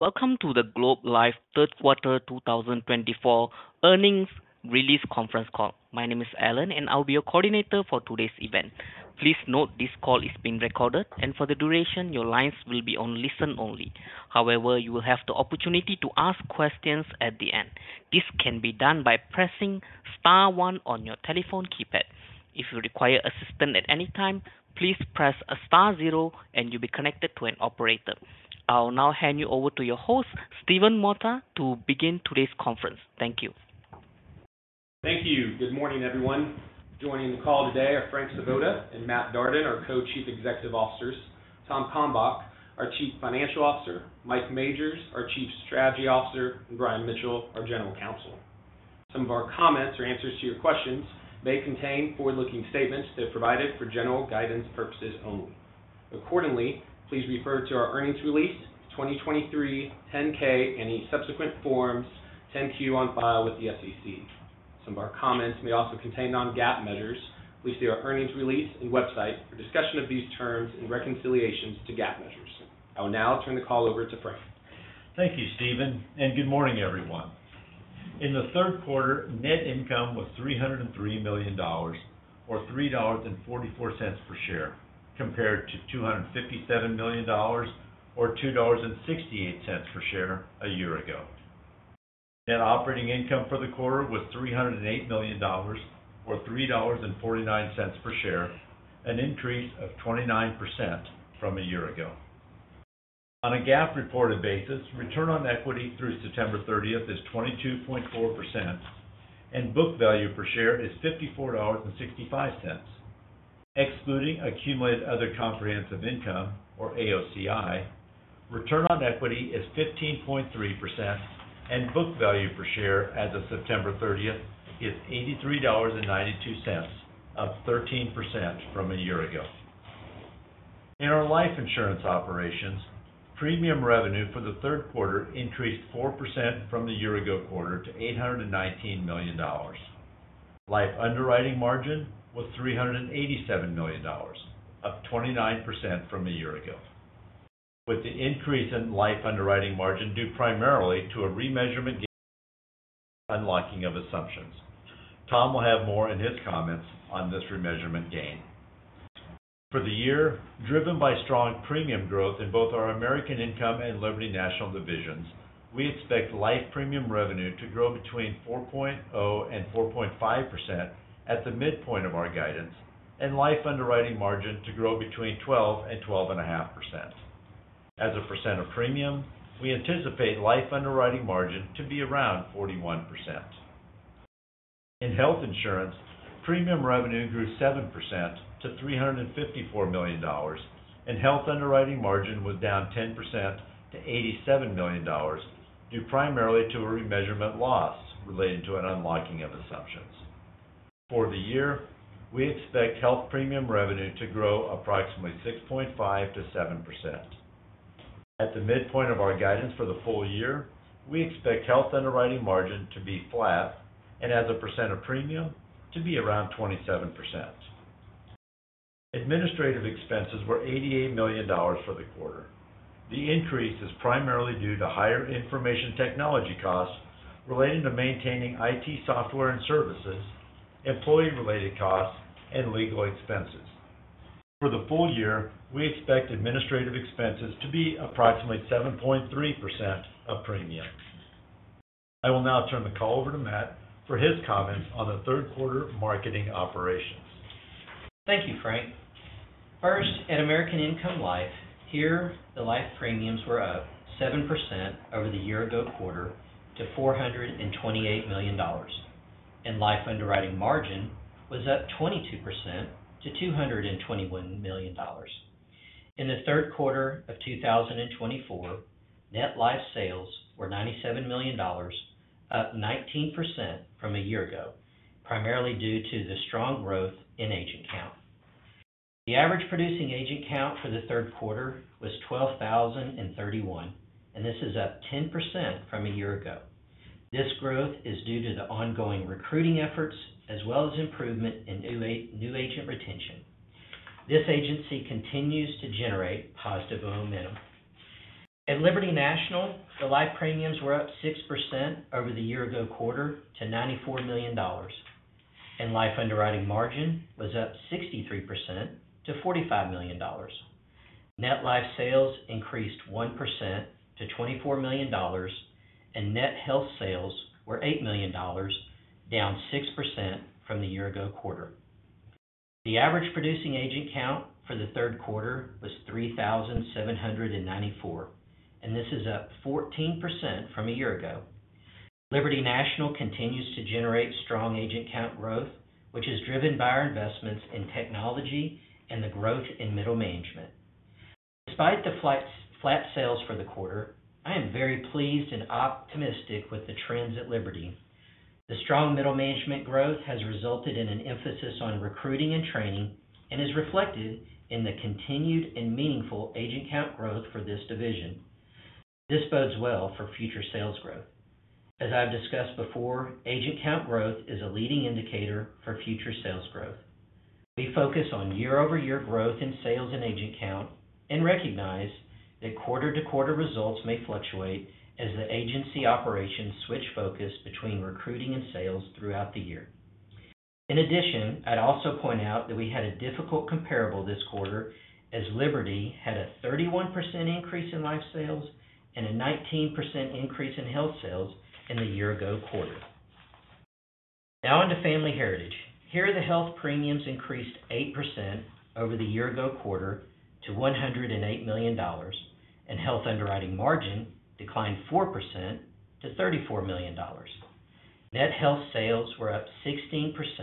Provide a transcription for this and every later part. Welcome to the Globe Life Third Quarter two 2024 Earnings Release Conference Call. My name is Alan, and I'll be your coordinator for today's event. Please note this call is being recorded, and for the duration, your lines will be on listen-only. However, you will have the opportunity to ask questions at the end. This can be done by pressing star one on your telephone keypad. If you require assistance at any time, please press star zero, and you'll be connected to an operator. I'll now hand you over to your host, Stephen Mota, to begin today's conference. Thank you. Thank you. Good morning, everyone. Joining the call today are Frank Svoboda and Matt Darden, our Co-Chief Executive Officers, Tom Kalmbach, our Chief Financial Officer, Mike Majors, our Chief Strategy Officer, and Brian Mitchell, our General Counsel. Some of our comments or answers to your questions may contain forward-looking statements that are provided for general guidance purposes only. Accordingly, please refer to our earnings release, 2023 10-K, any subsequent forms 10-Q on file with the SEC. Some of our comments may also contain non-GAAP measures. Please see our earnings release and website for discussion of these terms and reconciliations to GAAP measures. I will now turn the call over to Frank. Thank you, Stephen, and good morning, everyone. In the third quarter, net income was $303 million or $3.44 per share, compared to $257 million or $2.68 per share a year ago. Net operating income for the quarter was $308 million, or $3.49 per share, an increase of 29% from a year ago. On a GAAP reported basis, return on equity through September 30th is 22.4%, and book value per share is $54.65. Excluding accumulated other comprehensive income, or AOCI, return on equity is 15.3%, and book value per share as of September 30th is $83.92, up 13% from a year ago. In our life insurance operations, premium revenue for the third quarter increased 4% from the year-ago quarter to $819 million. Life underwriting margin was $387 million, up 29% from a year ago, with the increase in life underwriting margin due primarily to a remeasurement gain, unlocking of assumptions. Tom will have more in his comments on this remeasurement gain. For the year, driven by strong premium growth in both our American Income and Liberty National divisions, we expect life premium revenue to grow between 4.0% and 4.5% at the midpoint of our guidance, and life underwriting margin to grow between 12% and 12.5%. As a percent of premium, we anticipate life underwriting margin to be around 41%. In health insurance, premium revenue grew 7% to $354 million, and health underwriting margin was down 10% to $87 million, due primarily to a remeasurement loss related to an unlocking of assumptions. For the year, we expect health premium revenue to grow approximately 6.5%-7%. At the midpoint of our guidance for the full year, we expect health underwriting margin to be flat and as a percent of premium to be around 27%. Administrative expenses were $88 million for the quarter. The increase is primarily due to higher information technology costs related to maintaining IT software and services, employee-related costs, and legal expenses. For the full year, we expect administrative expenses to be approximately 7.3% of premiums. I will now turn the call over to Matt for his comments on the third quarter marketing operations. Thank you, Frank. First, at American Income Life, here, the life premiums were up 7% over the year-ago quarter to $428 million, and life underwriting margin was up 22% to $221 million. In the third quarter of 2024, net life sales were $97 million, up 19% from a year ago, primarily due to the strong growth in agent count. The average producing agent count for the third quarter was 12,031, and this is up 10% from a year ago. This growth is due to the ongoing recruiting efforts as well as improvement in new, new agent retention. This agency continues to generate positive momentum. At Liberty National, the life premiums were up 6% over the year-ago quarter to $94 million, and life underwriting margin was up 63% to $45 million. Net life sales increased 1% to $24 million, and net health sales were $8 million, down 6% from the year-ago quarter. The average producing agent count for the third quarter was 3,794, and this is up 14% from a year ago. Liberty National continues to generate strong agent count growth, which is driven by our investments in technology and the growth in middle management. Despite the flat sales for the quarter, I am very pleased and optimistic with the trends at Liberty. The strong middle management growth has resulted in an emphasis on recruiting and training and is reflected in the continued and meaningful agent count growth for this division. This bodes well for future sales growth. As I've discussed before, agent count growth is a leading indicator for future sales growth.... We focus on year-over-year growth in sales and agent count, and recognize that quarter-to-quarter results may fluctuate as the agency operations switch focus between recruiting and sales throughout the year. In addition, I'd also point out that we had a difficult comparable this quarter, as Liberty had a 31% increase in life sales and a 19% increase in health sales in the year-ago quarter. Now on to Family Heritage. Here, the health premiums increased 8% over the year-ago quarter to $108 million, and health underwriting margin declined 4% to $34 million. Net health sales were up 16% to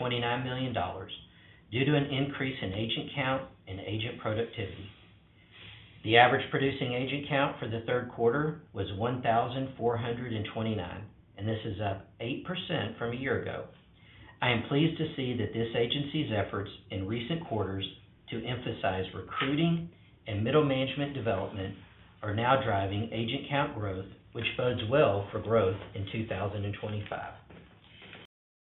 $29 million due to an increase in agent count and agent productivity. The average producing agent count for the third quarter was 1,429, and this is up 8% from a year ago. I am pleased to see that this agency's efforts in recent quarters to emphasize recruiting and middle management development are now driving agent count growth, which bodes well for growth in 2025.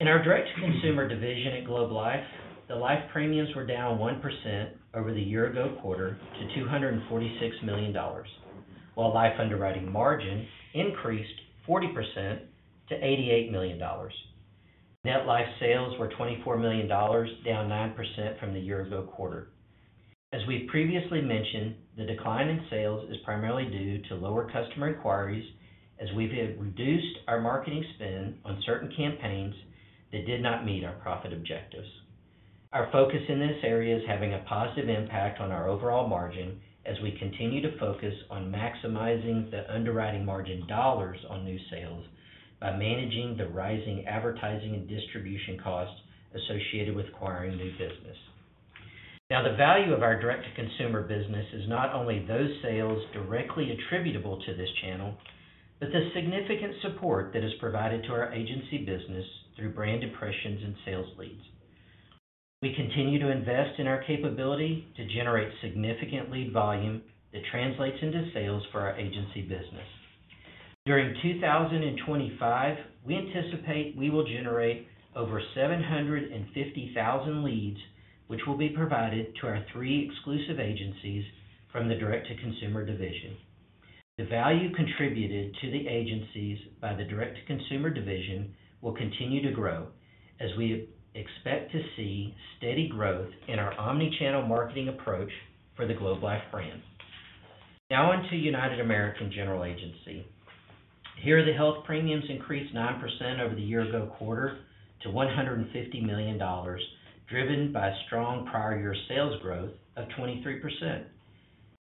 In our direct-to-consumer division at Globe Life, the life premiums were down 1% over the year-ago quarter to $246 million, while life underwriting margin increased 40% to $88 million. Net life sales were $24 million, down 9% from the year-ago quarter. As we've previously mentioned, the decline in sales is primarily due to lower customer inquiries, as we've reduced our marketing spend on certain campaigns that did not meet our profit objectives. Our focus in this area is having a positive impact on our overall margin as we continue to focus on maximizing the underwriting margin dollars on new sales by managing the rising advertising and distribution costs associated with acquiring new business. Now, the value of our direct-to-consumer business is not only those sales directly attributable to this channel, but the significant support that is provided to our agency business through brand impressions and sales leads. We continue to invest in our capability to generate significant lead volume that translates into sales for our agency business. During 2025, we anticipate we will generate over 750,000 leads, which will be provided to our three exclusive agencies from the direct-to-consumer division. The value contributed to the agencies by the direct-to-consumer division will continue to grow as we expect to see steady growth in our omni-channel marketing approach for the Globe Life brand. Now on to United American General Agency. Here, the health premiums increased 9% over the year-ago quarter to $150 million, driven by strong prior year sales growth of 23%.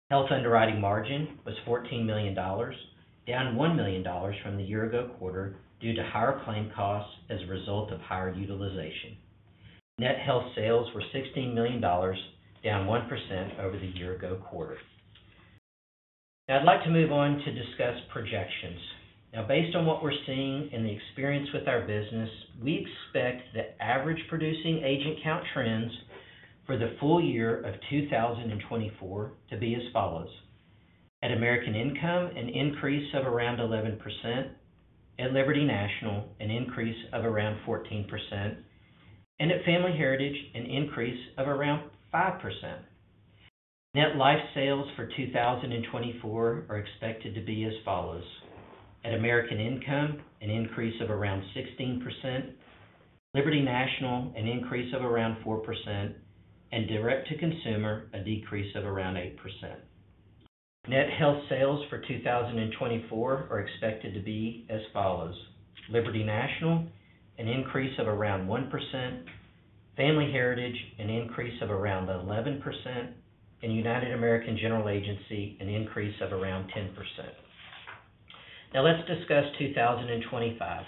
Health underwriting margin was $14 million, down $1 million from the year-ago quarter due to higher claim costs as a result of higher utilization. Net health sales were $16 million, down 1% over the year-ago quarter. Now I'd like to move on to discuss projections. Now, based on what we're seeing in the experience with our business, we expect the average producing agent count trends for the full year of 2024 to be as follows: at American Income, an increase of around 11%, at Liberty National, an increase of around 14%, and at Family Heritage, an increase of around 5%. Net life sales for 2024 are expected to be as follows: at American Income, an increase of around 16%, Liberty National, an increase of around 4%, and direct to consumer, a decrease of around 8%. Net health sales for 2024 are expected to be as follows: Liberty National, an increase of around 1%, Family Heritage, an increase of around 11%, and United American General Agency, an increase of around 10%. Now let's discuss 2025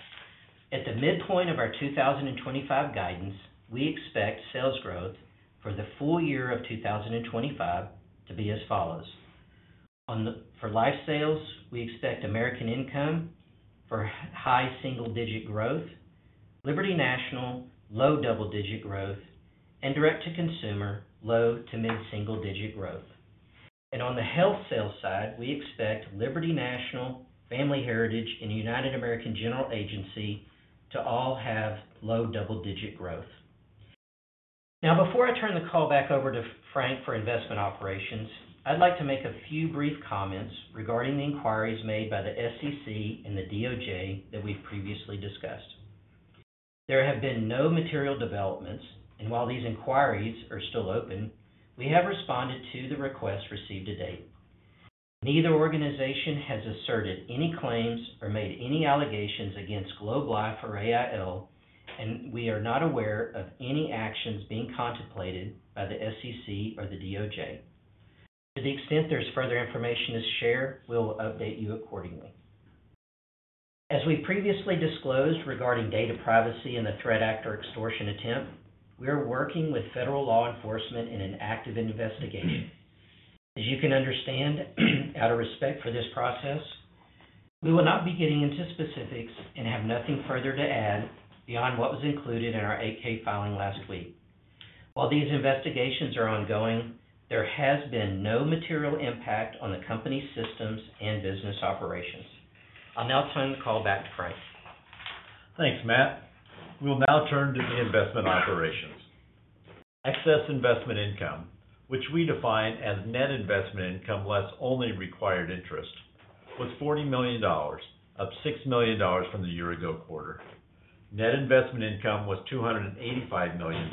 At the midpoint of our 2025 guidance, we expect sales growth for the full year of 2025 to be as follows: for life sales, we expect American Income for high single-digit growth, Liberty National, low double-digit growth, and direct to consumer, low to mid single-digit growth. On the health sales side, we expect Liberty National, Family Heritage, and United American General Agency to all have low double-digit growth. Now, before I turn the call back over to Frank for investment operations, I'd like to make a few brief comments regarding the inquiries made by the SEC and the DOJ that we've previously discussed. There have been no material developments, and while these inquiries are still open, we have responded to the requests received to date. Neither organization has asserted any claims or made any allegations against Globe Life or AIL, and we are not aware of any actions being contemplated by the SEC or the DOJ. To the extent there's further information to share, we'll update you accordingly. As we previously disclosed regarding data privacy and the threat actor extortion attempt, we are working with federal law enforcement in an active investigation. As you can understand, out of respect for this process, we will not be getting into specifics and have nothing further to add beyond what was included in our 8-K filing last week. While these investigations are ongoing, there has been no material impact on the company's systems and business operations.... I'll now turn the call back to Frank. Thanks, Matt. We'll now turn to the investment operations. Excess investment income, which we define as net investment income, less only required interest, was $40 million, up $6 million from the year-ago quarter. Net investment income was $285 million,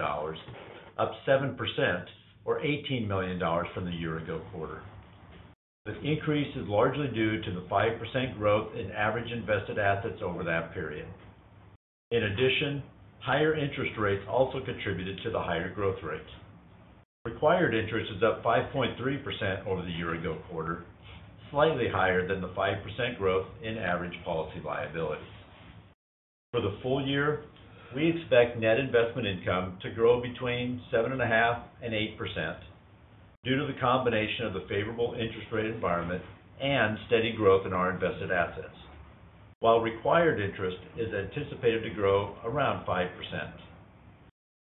up 7% or $18 million from the year-ago quarter. This increase is largely due to the 5% growth in average invested assets over that period. In addition, higher interest rates also contributed to the higher growth rates. Required interest is up 5.3% over the year-ago quarter, slightly higher than the 5% growth in average policy liability. For the full year, we expect net investment income to grow between 7.5% and 8% due to the combination of the favorable interest rate environment and steady growth in our invested assets, while required interest is anticipated to grow around 5%.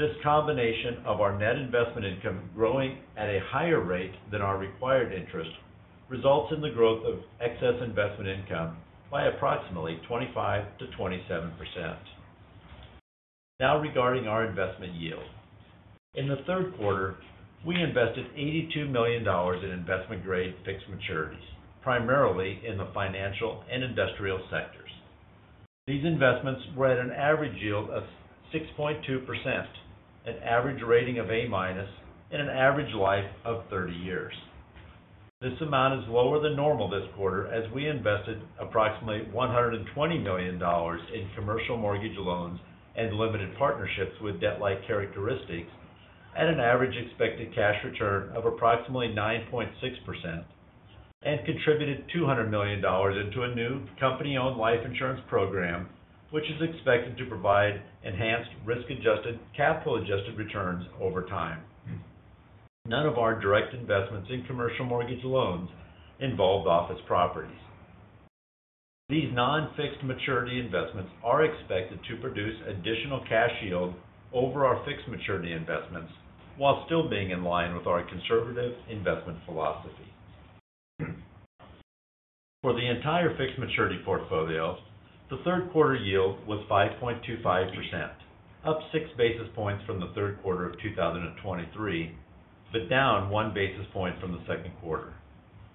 This combination of our net investment income growing at a higher rate than our required interest, results in the growth of excess investment income by approximately 25%-27%. Now, regarding our investment yield. In the third quarter, we invested $82 million in investment-grade fixed maturities, primarily in the financial and industrial sectors. These investments were at an average yield of 6.2%, an average rating of A minus, and an average life of 30 years. This amount is lower than normal this quarter, as we invested approximately $120 million in commercial mortgage loans and limited partnerships with debt-like characteristics at an average expected cash return of approximately 9.6%, and contributed $200 million into a new company-owned life insurance program, which is expected to provide enhanced risk-adjusted, capital-adjusted returns over time. None of our direct investments in commercial mortgage loans involved office properties. These non-fixed maturity investments are expected to produce additional cash yield over our fixed maturity investments, while still being in line with our conservative investment philosophy. For the entire fixed maturity portfolio, the third quarter yield was 5.25%, up six basis points from the third quarter of 2023, but down one basis point from the second quarter.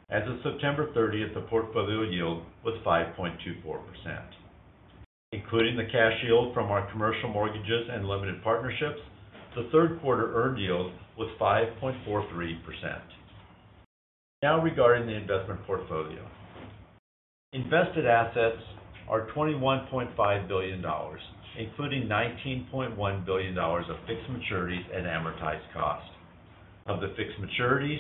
As of September 30th, the portfolio yield was 5.24%. Including the cash yield from our commercial mortgages and limited partnerships, the third quarter earned yield was 5.43%. Now, regarding the investment portfolio. Invested assets are $21.5 billion, including $19.1 billion of fixed maturities at amortized cost. Of the fixed maturities,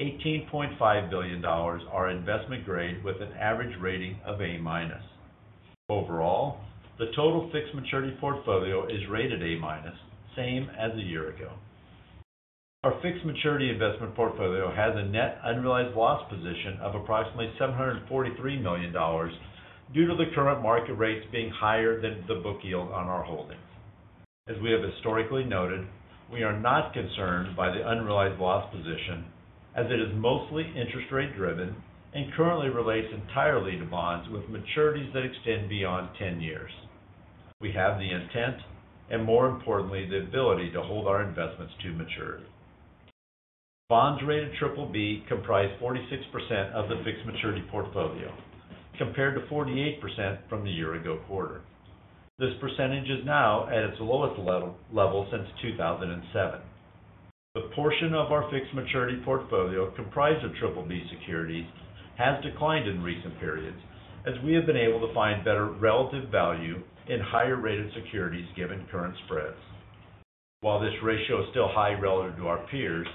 $18.5 billion are investment grade, with an average rating of A minus. Overall, the total fixed maturity portfolio is rated A minus, same as a year ago. Our fixed maturity investment portfolio has a net unrealized loss position of approximately $743 million, due to the current market rates being higher than the book yield on our holdings. As we have historically noted, we are not concerned by the unrealized loss position, as it is mostly interest rate driven and currently relates entirely to bonds with maturities that extend beyond ten years. We have the intent and, more importantly, the ability to hold our investments to maturity. Bonds rated BBB comprise 46% of the fixed maturity portfolio, compared to 48% from the year-ago quarter. This percentage is now at its lowest level since 2007. The portion of our fixed maturity portfolio comprised of BBB securities, has declined in recent periods, as we have been able to find better relative value in higher-rated securities, given current spreads. While this ratio is still high relative to our peers,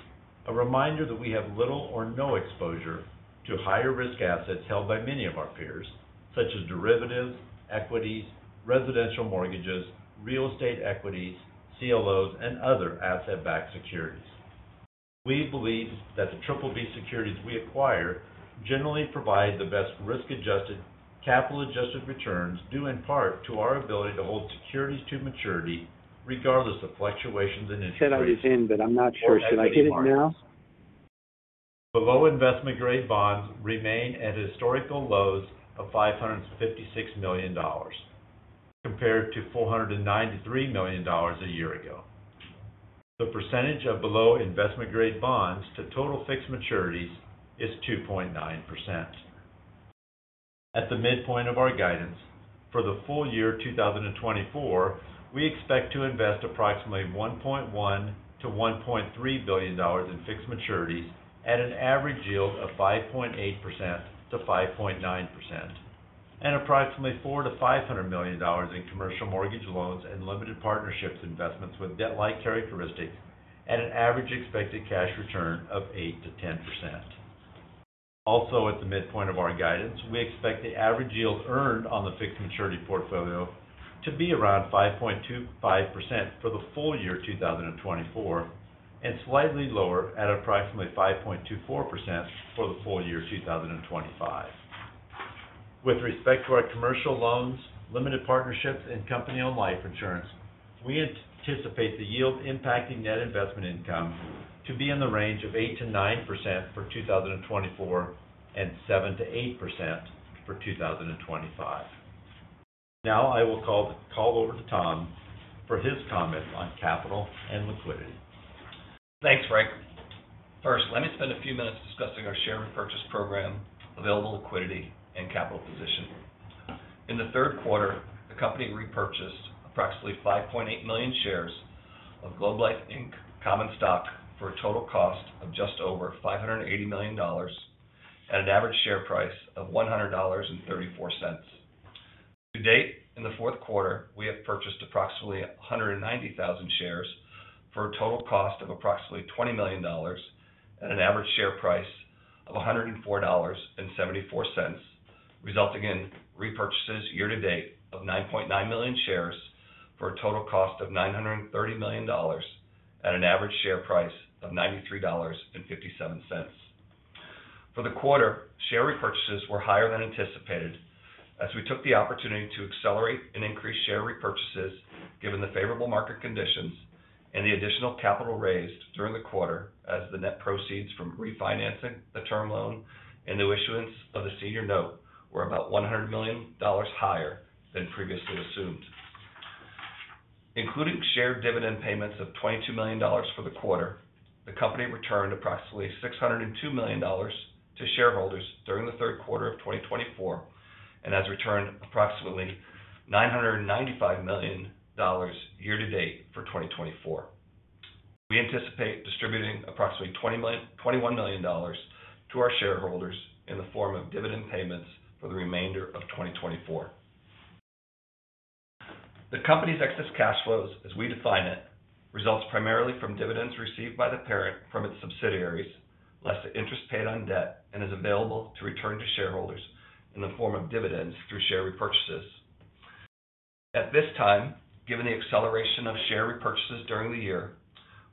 a reminder that we have little or no exposure to higher-risk assets held by many of our peers, such as derivatives, equities, residential mortgages, real estate equities, CLOs, and other asset-backed securities. We believe that the BBB securities we acquire generally provide the best risk-adjusted, capital-adjusted returns, due in part to our ability to hold securities to maturity, regardless of fluctuations in interest rates-... said I was in, but I'm not sure. Should I hit it now? Below investment-grade bonds remain at historical lows of $556 million, compared to $493 million a year ago. The percentage of below investment-grade bonds to total fixed maturities is 2.9%. At the midpoint of our guidance, for the full year 2024, we expect to invest approximately $1.1 billion-$1.3 billion in fixed maturities at an average yield of 5.8%-5.9%, and approximately $400 million-$500 million in commercial mortgage loans and limited partnerships investments with debt-like characteristics at an average expected cash return of 8%-10%. Also, at the midpoint of our guidance, we expect the average yields earned on the fixed maturity portfolio to be around 5.25% for the full year 2024, and slightly lower at approximately 5.24% for the full year 2025. With respect to our commercial loans, limited partnerships, and company-owned life insurance, we anticipate the yield impacting net investment income to be in the range of 8%-9% for 2024, and 7%-8% for 2025. Now I will call over to Tom for his comments on capital and liquidity. Thanks, Frank. First, let me spend a few minutes discussing our share repurchase program, available liquidity, and capital position. In the third quarter, the company repurchased approximately 5.8 million shares of Globe Life Inc. common stock for a total cost of just over $580 million, at an average share price of $100.34. To date, in the fourth quarter, we have purchased approximately 190,000 shares for a total cost of approximately $20 million at an average share price of $104.74, resulting in repurchases year to date of 9.9 million shares for a total cost of $930 million at an average share price of $93.57. For the quarter, share repurchases were higher than anticipated as we took the opportunity to accelerate and increase share repurchases, given the favorable market conditions and the additional capital raised during the quarter as the net proceeds from refinancing the term loan and the issuance of the senior note were about $100 million higher than previously assumed. Including shareholder dividend payments of $22 million for the quarter, the company returned approximately $602 million to shareholders during the third quarter of 2024, and has returned approximately $995 million year to date for 2024. We anticipate distributing approximately $21 million to our shareholders in the form of dividend payments for the remainder of 2024. The company's excess cash flows, as we define it, results primarily from dividends received by the parent from its subsidiaries, less the interest paid on debt and is available to return to shareholders in the form of dividends through share repurchases. At this time, given the acceleration of share repurchases during the year,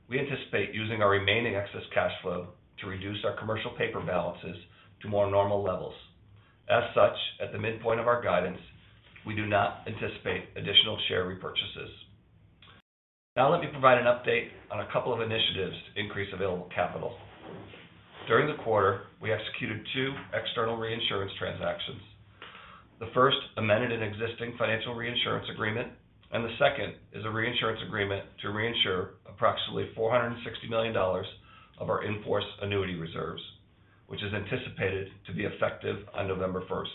we anticipate using our remaining excess cash flow to reduce our commercial paper balances to more normal levels. As such, at the midpoint of our guidance, we do not anticipate additional share repurchases. Now, let me provide an update on a couple of initiatives to increase available capital. During the quarter, we executed two external reinsurance transactions. The first, amended an existing financial reinsurance agreement, and the second is a reinsurance agreement to reinsure approximately $460 million of our in-force annuity reserves, which is anticipated to be effective on November first.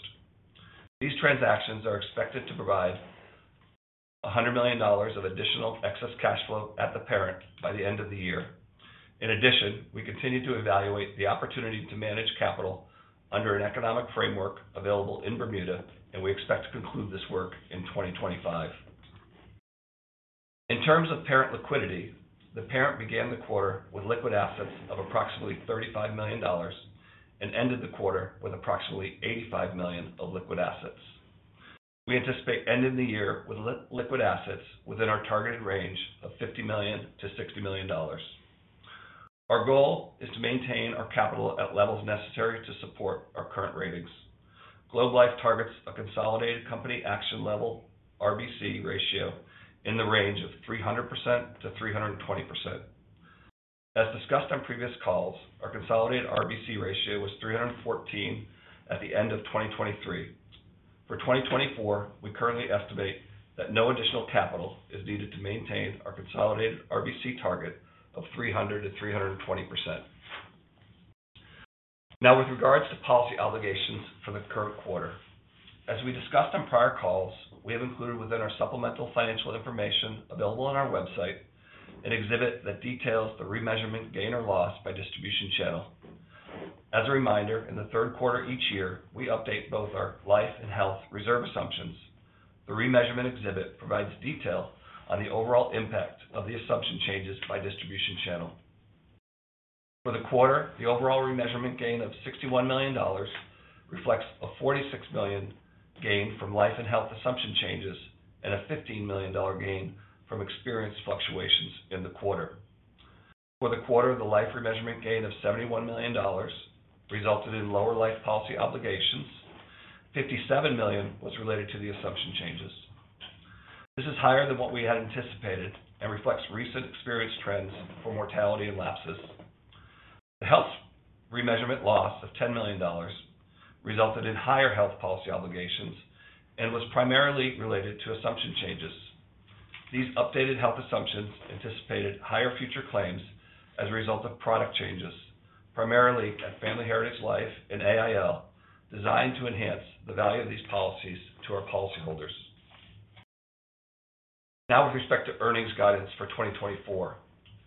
These transactions are expected to provide $100 million of additional excess cash flow at the parent by the end of the year. In addition, we continue to evaluate the opportunity to manage capital under an economic framework available in Bermuda, and we expect to conclude this work in twenty twenty-five. In terms of parent liquidity, the parent began the quarter with liquid assets of approximately $35 million and ended the quarter with approximately $85 million of liquid assets. We anticipate ending the year with liquid assets within our targeted range of $50 million-$60 million. Our goal is to maintain our capital at levels necessary to support our current ratings. Globe Life targets a consolidated company action level RBC ratio in the range of 300%-320%. As discussed on previous calls, our consolidated RBC ratio was 314 at the end of 2023. For 2024, we currently estimate that no additional capital is needed to maintain our consolidated RBC target of 300-320%. Now, with regards to policy obligations for the current quarter, as we discussed on prior calls, we have included within our supplemental financial information available on our website, an exhibit that details the remeasurement gain or loss by distribution channel. As a reminder, in the third quarter each year, we update both our life and health reserve assumptions. The remeasurement exhibit provides detail on the overall impact of the assumption changes by distribution channel. For the quarter, the overall remeasurement gain of $61 million reflects a $46 million gain from life and health assumption changes, and a $15 million gain from experience fluctuations in the quarter. For the quarter, the life remeasurement gain of $71 million resulted in lower life policy obligations. $57 million was related to the assumption changes. This is higher than what we had anticipated and reflects recent experience trends for mortality and lapses. The health remeasurement loss of $10 million resulted in higher health policy obligations and was primarily related to assumption changes. These updated health assumptions anticipated higher future claims as a result of product changes, primarily at Family Heritage Life and AIL, designed to enhance the value of these policies to our policyholders. Now, with respect to earnings guidance for 2024.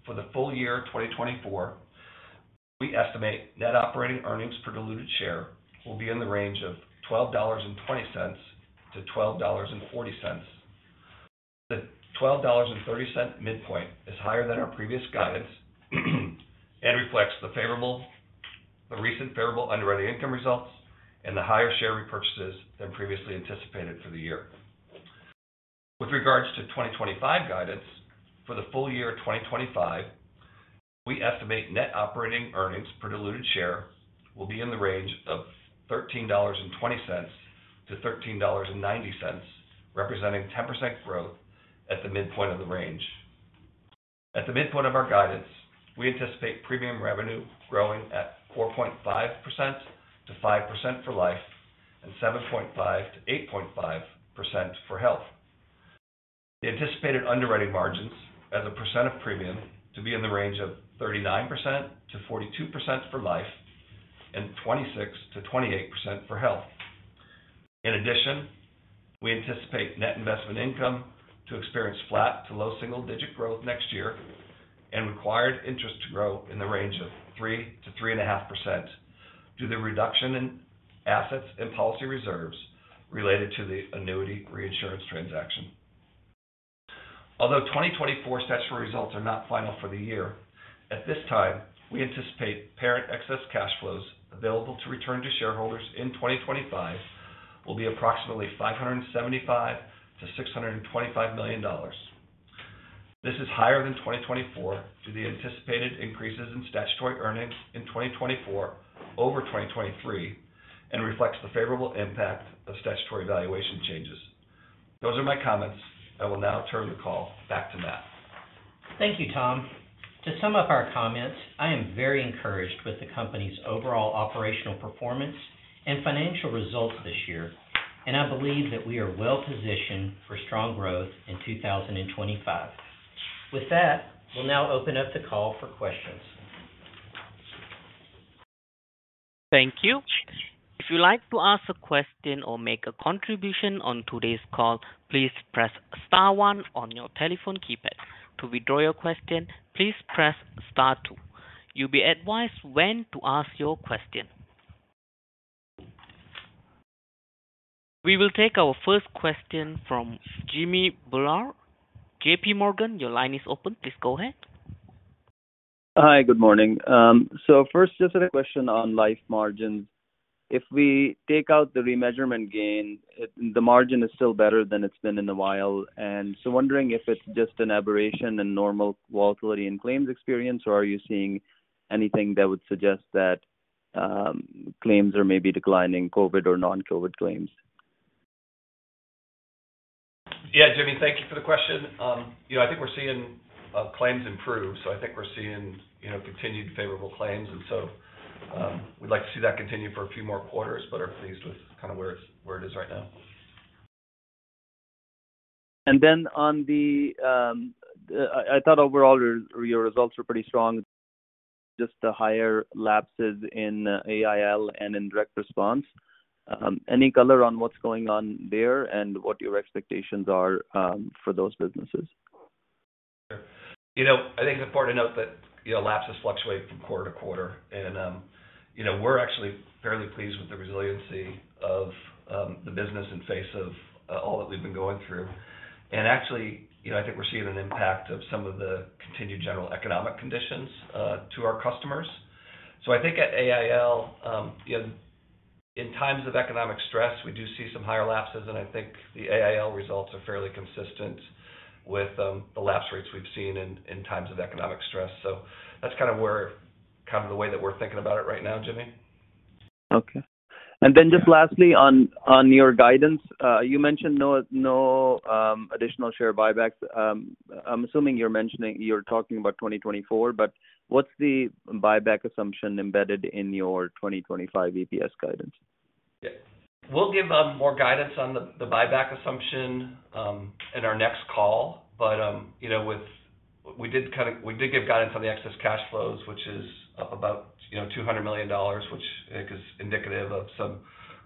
For the full year twenty twenty-four, we estimate net operating earnings per diluted share will be in the range of $12.20-$12.40. The $12.30 midpoint is higher than our previous guidance, and reflects the recent favorable underwriting income results and the higher share repurchases than previously anticipated for the year. With regards to twenty twenty-five guidance, for the full year twenty twenty-five, we estimate net operating earnings per diluted share will be in the range of $13.20-$13.90, representing 10% growth at the midpoint of the range. At the midpoint of our guidance, we anticipate premium revenue growing at 4.5%-5% for life and 7.5%-8.5% for health. The anticipated underwriting margins as a percent of premium to be in the range of 39% to 42% for life and 26% to 28% for health. In addition, we anticipate net investment income to experience flat to low single-digit growth next year and required interest to grow in the range of 3% to 3.5%, due to the reduction in assets and policy reserves related to the annuity reinsurance transaction. Although 2024 statutory results are not final for the year, at this time, we anticipate parent excess cash flows available to return to shareholders in 2025 will be approximately $575 million-$625 million. This is higher than 2024 due to the anticipated increases in statutory earnings in 2024 over 2023, and reflects the favorable impact of statutory valuation changes. Those are my comments. I will now turn the call back to Matt. Thank you, Tom. To sum up our comments, I am very encouraged with the company's overall operational performance and financial results this year, and I believe that we are well-positioned for strong growth in 2025. With that, we'll now open up the call for questions. Thank you. If you'd like to ask a question or make a contribution on today's call, please press star one on your telephone keypad. To withdraw your question, please press star two. You'll be advised when to ask your question. We will take our first question from Jimmy Bhullar, JPMorgan. Your line is open. Please go ahead. Hi, good morning. So first, just a question on life margins. If we take out the remeasurement gain, the margin is still better than it's been in a while, and so wondering if it's just an aberration and normal volatility in claims experience, or are you seeing anything that would suggest that, claims are maybe declining, COVID or non-COVID claims? Yeah, Jimmy, thank you for the question. You know, I think we're seeing claims improve, so I think we're seeing, you know, continued favorable claims, and so, we'd like to see that continue for a few more quarters, but are pleased with kind of where it is right now. And then on the, I thought overall your results were pretty strong, just the higher lapses in AIL and in direct response. Any color on what's going on there and what your expectations are, for those businesses? You know, I think it's important to note that, you know, lapses fluctuate from quarter to quarter, and, you know, we're actually fairly pleased with the resiliency of, the business in face of, all that we've been going through. And actually, you know, I think we're seeing an impact of some of the continued general economic conditions, to our customers. So I think at AIL, you know, in times of economic stress, we do see some higher lapses, and I think the AIL results are fairly consistent with, the lapse rates we've seen in times of economic stress. So that's kind of where, kind of the way that we're thinking about it right now, Jimmy. Okay. And then just lastly on your guidance, you mentioned no additional share buybacks. I'm assuming you're mentioning, you're talking about 2024, but what's the buyback assumption embedded in your 2025 EPS guidance? Yeah. We'll give more guidance on the buyback assumption in our next call. But you know, we did kind of give guidance on the excess cash flows, which is up about you know, $200 million, which I think is indicative of some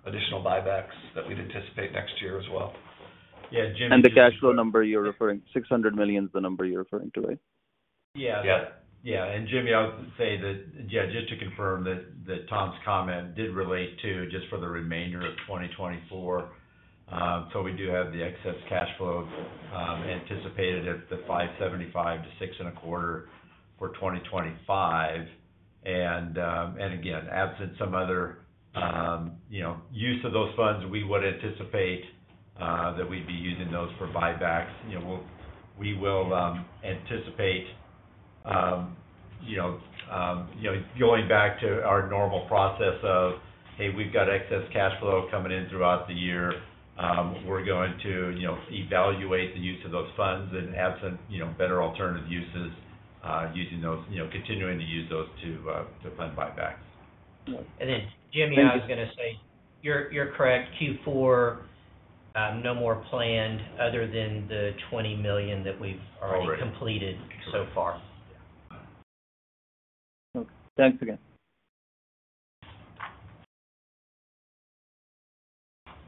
additional buybacks that we'd anticipate next year as well. Yeah, Jimmy- The cash flow number you're referring to, $600 million, is the number you're referring to, right? Yeah. Yeah. Yeah, and Jimmy, I would say that, yeah, just to confirm that, that Tom's comment did relate to just for the remainder of twenty twenty-four. So we do have the excess cash flow anticipated at the five seventy-five to six and a quarter for twenty twenty-five, and again, absent some other, you know, use of those funds, we would anticipate that we'd be using those for buybacks. You know, we will anticipate, you know, you know, going back to our normal process of, "Hey, we've got excess cash flow coming in throughout the year, we're going to, you know, evaluate the use of those funds and absent, you know, better alternative uses, using those, you know, continuing to use those to fund buybacks," and then, Jimmy, I was gonna say, you're correct. Q4, no more planned other than the $20 million that we've already completed so far. Okay. Thanks again.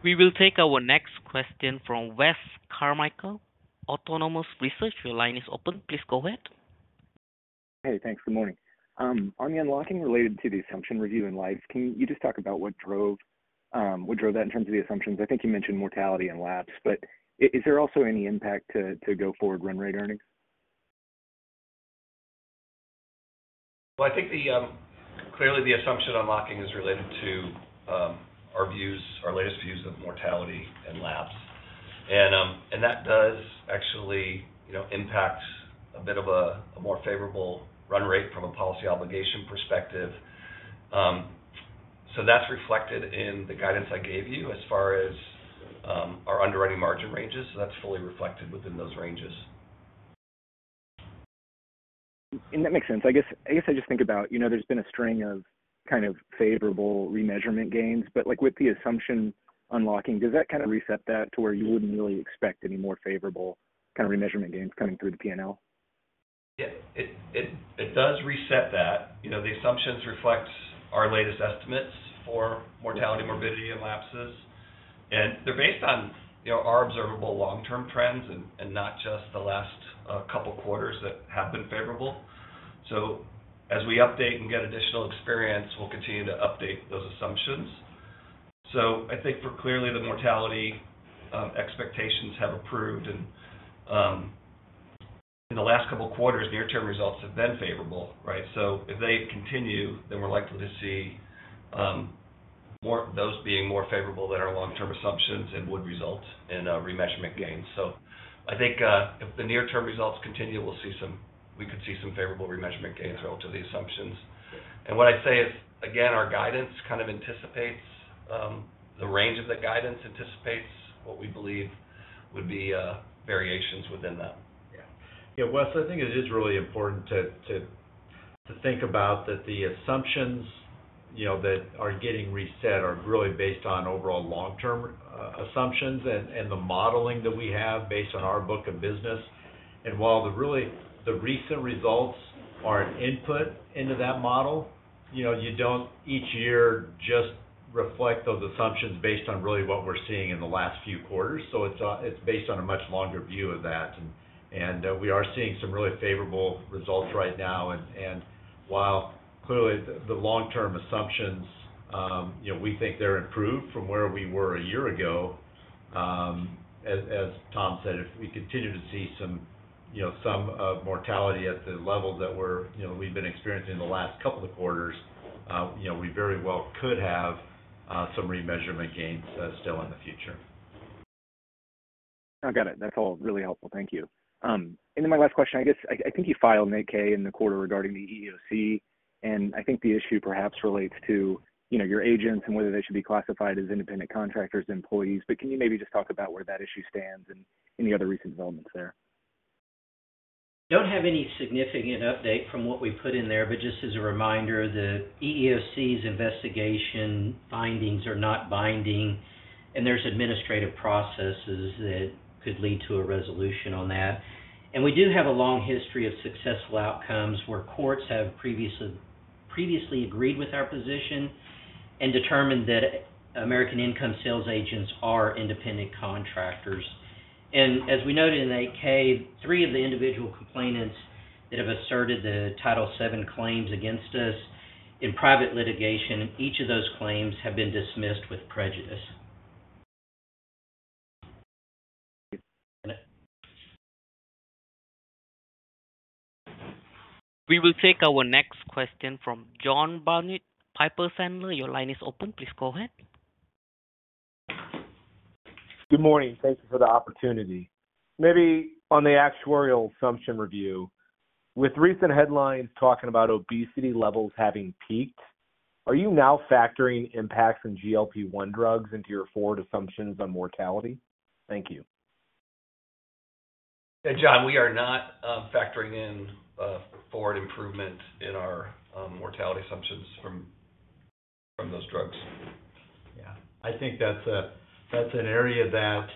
We will take our next question from Wes Carmichael, Autonomous Research. Your line is open. Please go ahead. Hey, thanks. Good morning. On the unlocking related to the assumption review in Life, can you just talk about what drove that in terms of the assumptions? I think you mentioned mortality and lapse, but is there also any impact to go forward run rate earnings? I think clearly the assumption unlocking is related to our views, our latest views of mortality and lapse. That does actually, you know, impact a bit of a more favorable run rate from a policy obligation perspective. That's reflected in the guidance I gave you as far as our underwriting margin ranges. That's fully reflected within those ranges. That makes sense. I guess, I guess I just think about, you know, there's been a string of kind of favorable remeasurement gains, but, like, with the assumption unlocking, does that kind of reset that to where you wouldn't really expect any more favorable kind of remeasurement gains coming through the P&L? Yeah, it does reset that. You know, the assumptions reflect our latest estimates for mortality, morbidity, and lapses, and they're based on, you know, our observable long-term trends and not just the last couple quarters that have been favorable. So as we update and get additional experience, we'll continue to update those assumptions. So I think clearly, the mortality expectations have improved, and in the last couple of quarters, near-term results have been favorable, right? So if they continue, then we're likely to see more, those being more favorable than our long-term assumptions and would result in remeasurement gains. So I think, if the near-term results continue, we'll see some, we could see some favorable remeasurement gains relative to the assumptions. What I'd say is, again, our guidance kind of anticipates the range of the guidance anticipates what we believe would be variations within that. Yeah. Yeah, Wes, I think it is really important to think about that the assumptions, you know, that are getting reset are really based on overall long-term assumptions and the modeling that we have based on our book of business. And while really the recent results are an input into that model, you know, you don't each year just reflect those assumptions based on really what we're seeing in the last few quarters. So it's based on a much longer view of that. And we are seeing some really favorable results right now. While clearly the long-term assumptions, you know, we think they're improved from where we were a year ago, as Tom said, if we continue to see some, you know, some mortality at the level that we're, you know, we've been experiencing in the last couple of quarters, you know, we very well could have some remeasurement gains still in the future. I got it. That's all really helpful. Thank you. And then my last question, I guess I think you filed an 8-K in the quarter regarding the EEOC, and I think the issue perhaps relates to, you know, your agents and whether they should be classified as independent contractors, employees. But can you maybe just talk about where that issue stands and any other recent developments there? Don't have any significant update from what we put in there, but just as a reminder, the EEOC's investigation findings are not binding, and there's administrative processes that could lead to a resolution on that. And we do have a long history of successful outcomes, where courts have previously agreed with our position and determined that American Income sales agents are independent contractors. And as we noted in the 8-K, three of the individual complainants that have asserted the Title VII claims against us in private litigation, each of those claims have been dismissed with prejudice. Got it. We will take our next question from John Barnidge, Piper Sandler. Your line is open. Please go ahead. Good morning. Thank you for the opportunity. Maybe on the actuarial assumption review, with recent headlines talking about obesity levels having peaked, are you now factoring impacts from GLP-1 drugs into your forward assumptions on mortality? Thank you. Hey, John, we are not factoring in forward improvement in our mortality assumptions from those drugs. Yeah, I think that's an area that,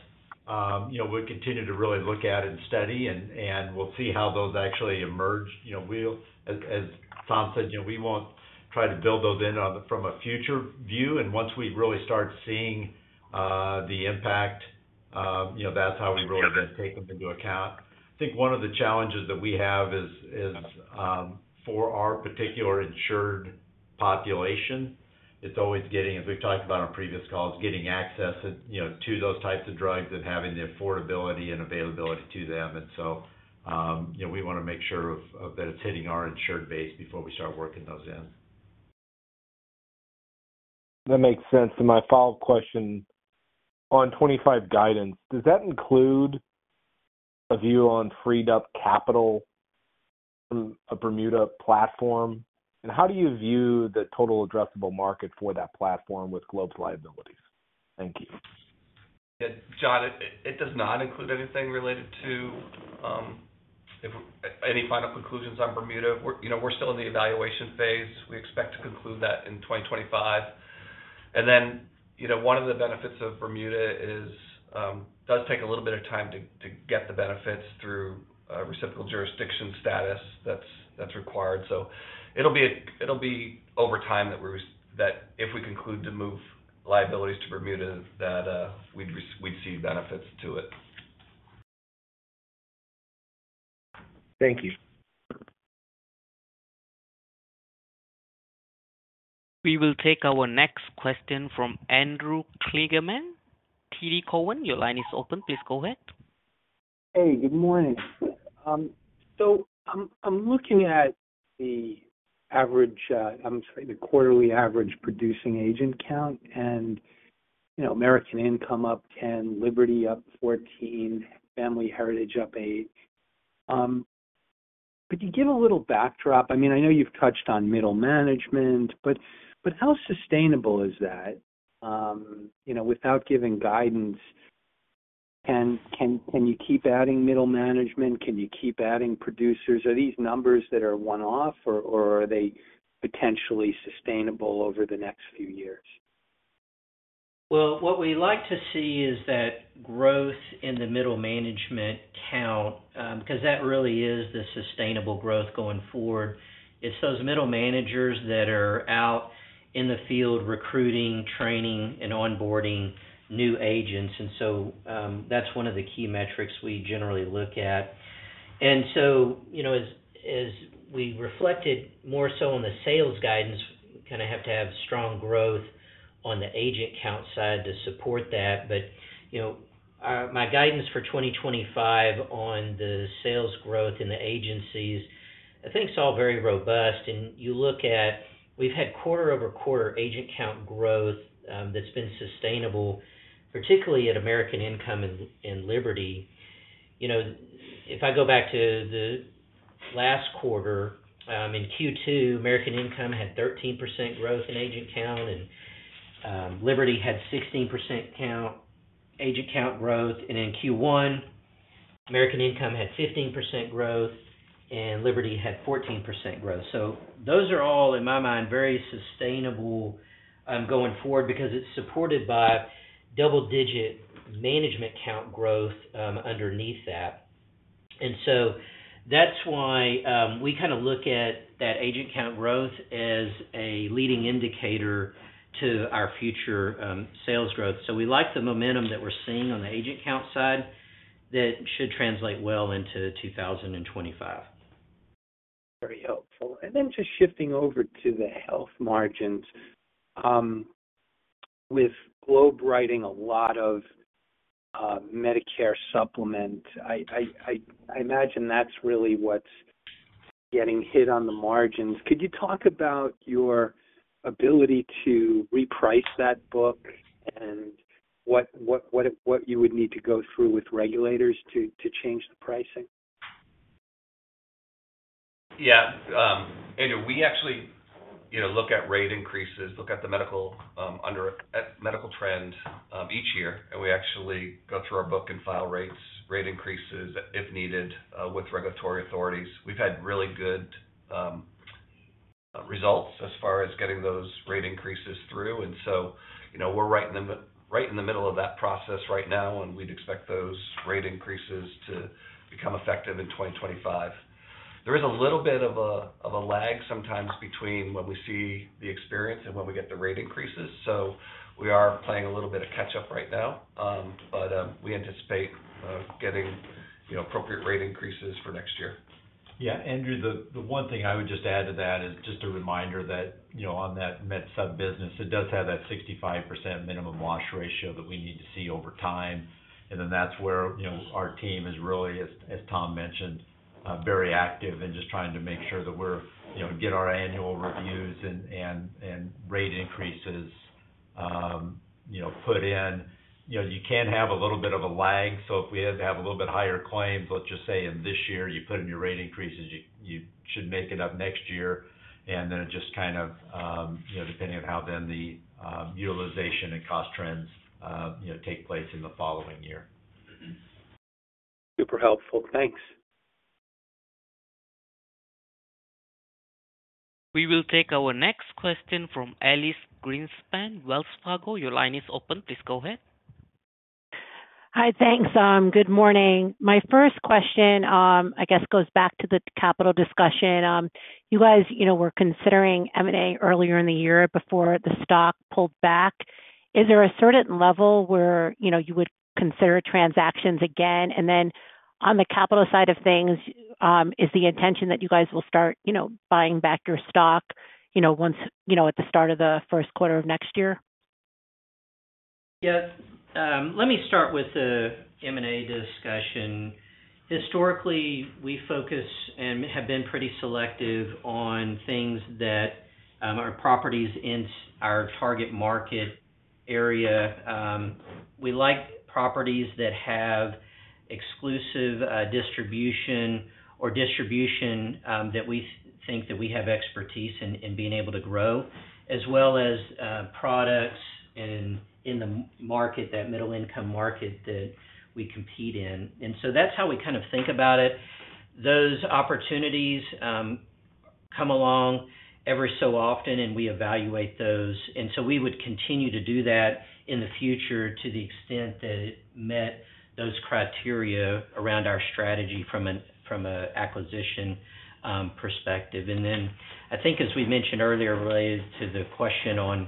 you know, we'll continue to really look at and study and we'll see how those actually emerge. You know, we'll, as Tom said, you know, we won't try to build those in on the, from a future view, and once we really start seeing the impact, you know, that's how we really then take them into account. I think one of the challenges that we have is for our particular insured population, it's always getting, as we've talked about on previous calls, getting access, you know, to those types of drugs and having the affordability and availability to them, and so, you know, we want to make sure of that it's hitting our insured base before we start working those in. That makes sense. And my follow-up question: On 2025 guidance, does that include a view on freed up capital from a Bermuda platform? And how do you view the total addressable market for that platform with Globe's liabilities? Thank you. Yeah, John, it does not include anything related to any final conclusions on Bermuda. We're, you know, we're still in the evaluation phase. We expect to conclude that in twenty twenty-five. And then, you know, one of the benefits of Bermuda is does take a little bit of time to get the benefits through a reciprocal jurisdiction status that's required. So it'll be over time that if we conclude to move liabilities to Bermuda, that we'd see benefits to it. Thank you. We will take our next question from Andrew Kligerman, TD Cowen. Your line is open. Please go ahead.... Hey, good morning. So I'm looking at the quarterly average producing agent count, and you know, American Income up ten, Liberty up fourteen, Family Heritage up eight. Could you give a little backdrop? I mean, I know you've touched on middle management, but how sustainable is that? You know, without giving guidance, can you keep adding middle management? Can you keep adding producers? Are these numbers that are one-off, or are they potentially sustainable over the next few years? What we like to see is that growth in the middle management count, 'cause that really is the sustainable growth going forward. It's those middle managers that are out in the field recruiting, training, and onboarding new agents. And so, that's one of the key metrics we generally look at. And so, you know, as we reflected more so on the sales guidance, we kind of have to have strong growth on the agent count side to support that. But, you know, my guidance for twenty twenty-five on the sales growth in the agencies, I think it's all very robust. And you look at we've had quarter-over-quarter agent count growth, that's been sustainable, particularly at American Income and Liberty. You know, if I go back to the last quarter, in Q2, American Income had 13% growth in agent count, and Liberty had 16% agent count growth. And in Q1, American Income had 15% growth, and Liberty had 14% growth. So those are all, in my mind, very sustainable, going forward, because it's supported by double-digit management count growth, underneath that. And so that's why, we kind of look at that agent count growth as a leading indicator to our future, sales growth. So we like the momentum that we're seeing on the agent count side. That should translate well into 2025. Very helpful. And then just shifting over to the health margins. With Globe writing a lot of Medicare supplement, I imagine that's really what's getting hit on the margins. Could you talk about your ability to reprice that book and what you would need to go through with regulators to change the pricing? Yeah. And we actually, you know, look at rate increases, look at the medical underwriting and medical trend each year, and we actually go through our book and file rates, rate increases, if needed, with regulatory authorities. We've had really good results as far as getting those rate increases through, and so, you know, we're right in the middle of that process right now, and we'd expect those rate increases to become effective in twenty twenty-five. There is a little bit of a lag sometimes between when we see the experience and when we get the rate increases, so we are playing a little bit of catch up right now. But we anticipate getting, you know, appropriate rate increases for next year. Yeah, Andrew, the one thing I would just add to that is just a reminder that, you know, on that Med Supp business, it does have that 65% minimum loss ratio that we need to see over time. And then that's where, you know, our team is really, as Tom mentioned, very active in just trying to make sure that we're, you know, get our annual reviews and rate increases, you know, put in. You know, you can have a little bit of a lag, so if we had to have a little bit higher claims, let's just say in this year, you put in your rate increases, you should make it up next year, and then it just kind of, you know, depending on how then the, utilization and cost trends, you know, take place in the following year. Mm-hmm. Super helpful. Thanks. We will take our next question from Elyse Greenspan, Wells Fargo. Your line is open. Please go ahead. Hi. Thanks. Good morning. My first question, I guess, goes back to the capital discussion. You guys, you know, were considering M&A earlier in the year before the stock pulled back. Is there a certain level where, you know, you would consider transactions again? And then on the capital side of things, is the intention that you guys will start, you know, buying back your stock, you know, once, you know, at the start of the first quarter of next year? Yeah. Let me start with the M&A discussion. Historically, we focus and have been pretty selective on things that are properties in our target market area. We like properties that have exclusive distribution that we think that we have expertise in, in being able to grow, as well as products in the market, that middle income market that we compete in. And so that's how we kind of think about it. Those opportunities come along every so often, and we evaluate those, and so we would continue to do that in the future to the extent that it met those criteria around our strategy from a acquisition perspective. And then I think as we mentioned earlier, related to the question on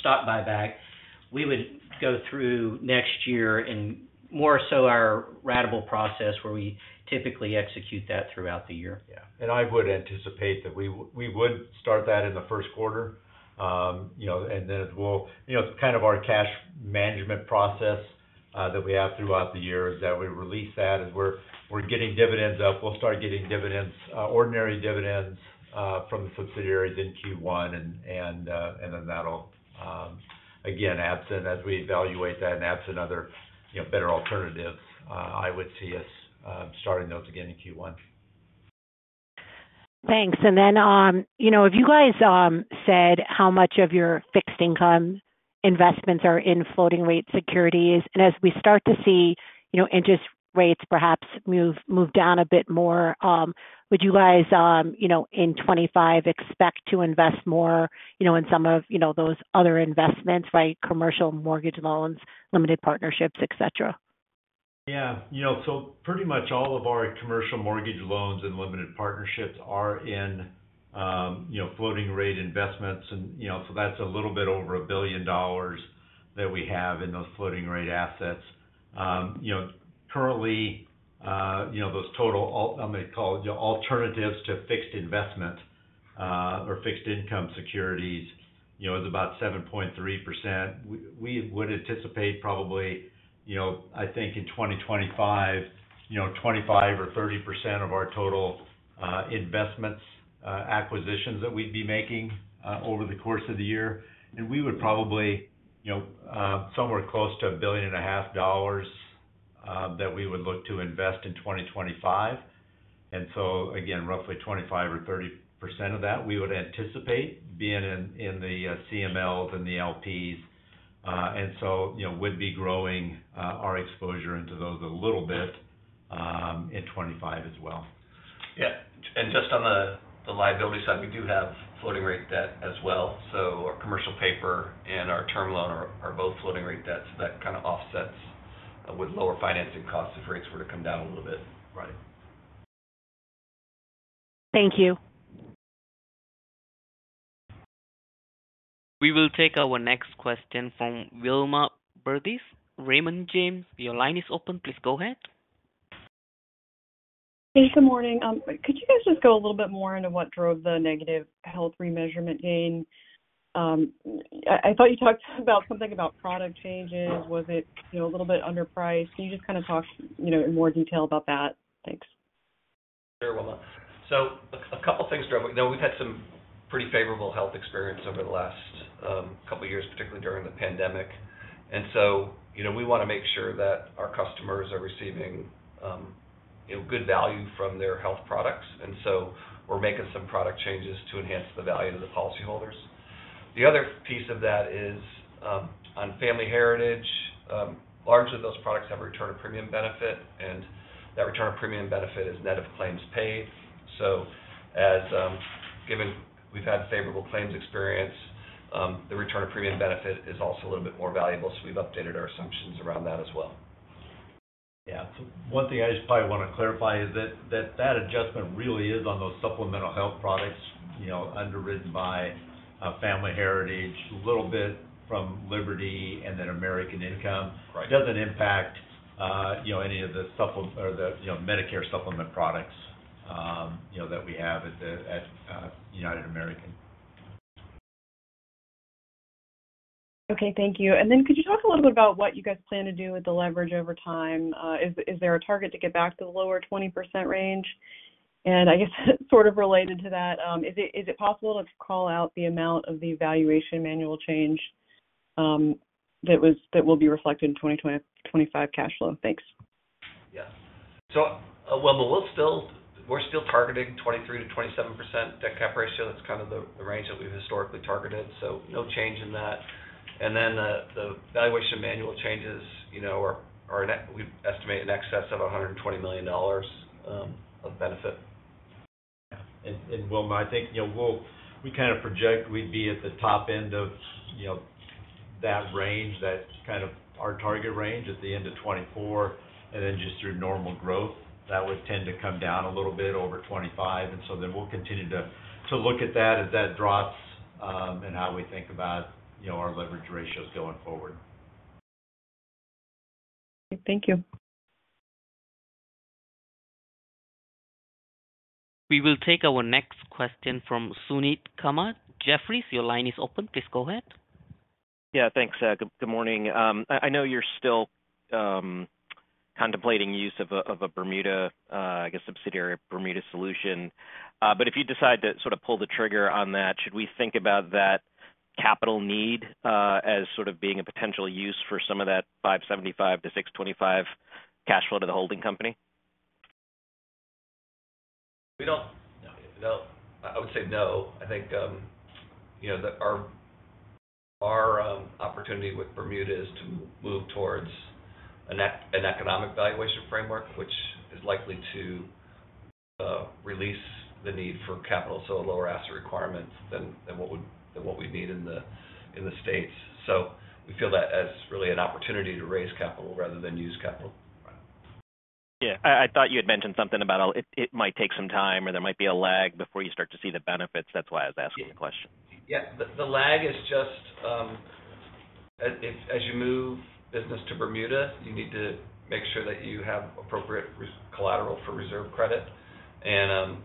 stock buyback, we would go through next year and more so our ratable process, where we typically execute that throughout the year. Yeah, and I would anticipate that we would start that in the first quarter. You know, and then we'll. You know, it's kind of our cash management process that we have throughout the year, is that we release that as we're getting dividends up. We'll start getting dividends, ordinary dividends, from the subsidiaries in Q1, and then that'll, again, absent as we evaluate that, and that's another, you know, better alternative, I would see us starting those again in Q1. Thanks. And then, you know, have you guys said how much of your fixed income investments are in floating rate securities? And as we start to see, you know, interest rates perhaps move down a bit more, would you guys, you know, in 2025 expect to invest more, you know, in some of, you know, those other investments, like commercial mortgage loans, limited partnerships, et cetera? Yeah. You know, so pretty much all of our commercial mortgage loans and limited partnerships are in, you know, you know, floating rate investments. And, you know, so that's a little bit over $1 billion that we have in those floating rate assets. You know, currently, you know, those total alternatives to fixed investment, or fixed income securities, you know, is about 7.3%. We would anticipate probably, you know, I think in 2025, you know, 25% or 30% of our total, investments acquisitions that we'd be making, over the course of the year. And we would probably, you know, somewhere close to $1.5 billion, that we would look to invest in 2025. And so again, roughly 25% or 30% of that, we would anticipate being in the CMLs and the LPs. And so, you know, we'd be growing our exposure into those a little bit in 2025 as well. Yeah, and just on the liability side, we do have floating rate debt as well, so our commercial paper and our term loan are both floating rate debts. So that kind of offsets with lower financing costs if rates were to come down a little bit. Right. Thank you. We will take our next question from Wilma Burdis. Raymond James, your line is open. Please go ahead. Hey, good morning. Could you guys just go a little bit more into what drove the negative health remeasurement gain? I thought you talked about something about product changes. Was it, you know, a little bit underpriced? Can you just kind of talk, you know, in more detail about that? Thanks. Sure, Wilma. So a couple things drove it. Now, we've had some pretty favorable health experience over the last couple of years, particularly during the pandemic. And so, you know, we want to make sure that our customers are receiving good value from their health products, and so we're making some product changes to enhance the value to the policyholders. The other piece of that is on Family Heritage. Largely, those products have a return of premium benefit, and that return of premium benefit is net of claims paid. So as given we've had favorable claims experience, the return of premium benefit is also a little bit more valuable, so we've updated our assumptions around that as well. Yeah. One thing I just probably want to clarify is that, that adjustment really is on those supplemental health products, you know, underwritten by Family Heritage, a little bit from Liberty and then American Income. Right. It doesn't impact, you know, any of the Medicare supplement products, you know, that we have at the United American. Okay, thank you. And then could you talk a little bit about what you guys plan to do with the leverage over time? Is there a target to get back to the lower 20% range? And I guess sort of related to that, is it possible to call out the amount of the valuation manual change that will be reflected in 2025 cash flow? Thanks. We're still targeting 23%-27% debt cap ratio. That's kind of the range that we've historically targeted, so no change in that. The valuation manual changes, you know, we estimate in excess of $120 million of benefit. And, Wilma, I think, you know, we'll we kind of project we'd be at the top end of, you know, that range, that kind of our target range at the end of 2024. And then just through normal growth, that would tend to come down a little bit over 2025, and so then we'll continue to look at that as that drops, and how we think about, you know, our leverage ratios going forward. Thank you. We will take our next question from Suneet Kamath. Jefferies, your line is open. Please go ahead. Yeah, thanks. Good morning. I know you're still contemplating use of a Bermuda, I guess subsidiary, Bermuda solution. But if you decide to sort of pull the trigger on that, should we think about that capital need as sort of being a potential use for some of that $575-$625 cash flow to the holding company? No, I would say no. I think, you know, our opportunity with Bermuda is to move towards an economic valuation framework, which is likely to release the need for capital, so a lower asset requirement than what we'd need in the States. So we feel that as really an opportunity to raise capital rather than use capital. Right. Yeah. I thought you had mentioned something about it. It might take some time or there might be a lag before you start to see the benefits. That's why I was asking the question. Yeah. The lag is just as you move business to Bermuda, you need to make sure that you have appropriate reserve collateral for reserve credit. And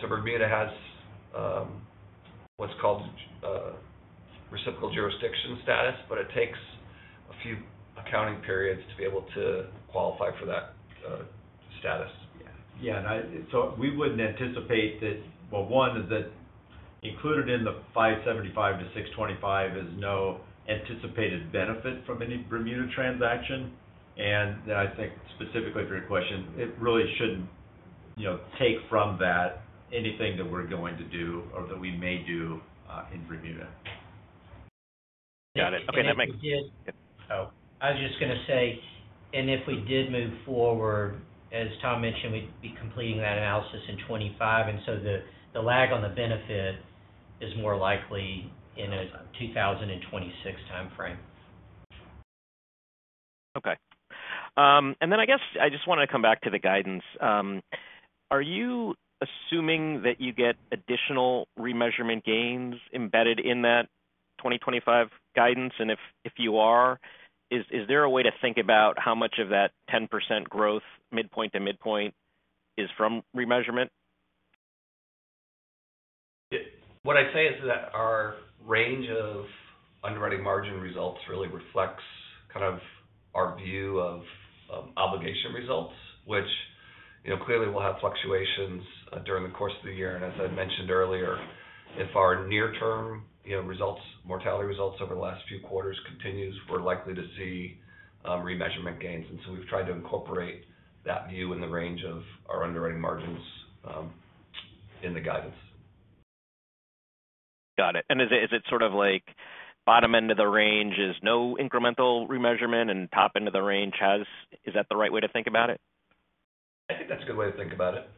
so Bermuda has what's called reciprocal jurisdiction status, but it takes a few accounting periods to be able to qualify for that status. Yeah, and so we wouldn't anticipate that. Well, one, is that included in the $575-$625 is no anticipated benefit from any Bermuda transaction. And then I think specifically to your question, it really shouldn't, you know, take from that anything that we're going to do or that we may do in Bermuda. Got it. Okay, that makes- I was just gonna say, and if we did move forward, as Tom mentioned, we'd be completing that analysis in 2025, and so the lag on the benefit is more likely in a 2026 timeframe. Okay. And then I guess I just wanna come back to the guidance. Are you assuming that you get additional remeasurement gains embedded in that twenty twenty-five guidance? And if you are, is there a way to think about how much of that 10% growth, midpoint to midpoint, is from remeasurement? Yeah. What I'd say is that our range of underwriting margin results really reflects kind of our view of, obligation results, which, you know, clearly will have fluctuations, during the course of the year. And as I mentioned earlier, if our near-term, you know, results, mortality results over the last few quarters continues, we're likely to see, remeasurement gains. And so we've tried to incorporate that view in the range of our underwriting margins, in the guidance. Got it. And is it, is it sort of like bottom end of the range is no incremental remeasurement, and top end of the range has... Is that the right way to think about it? I think that's a good way to think about it.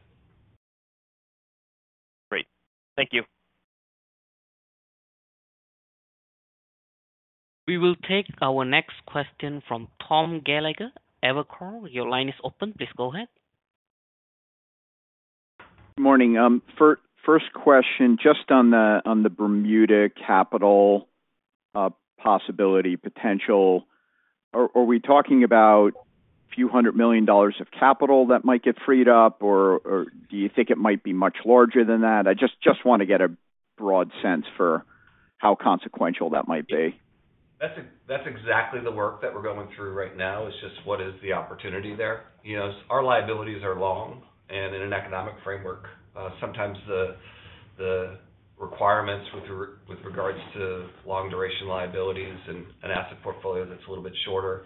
Great. Thank you. We will take our next question from Tom Gallagher, Evercore. Your line is open. Please go ahead. Good morning. First question, just on the Bermuda capital potential. Are we talking about a few hundred million dollars of capital that might get freed up? Or do you think it might be much larger than that? I just want to get a broad sense for how consequential that might be. That's exactly the work that we're going through right now, is just what is the opportunity there. You know, our liabilities are long, and in an economic framework, sometimes the requirements with regards to long duration liabilities and an asset portfolio that's a little bit shorter,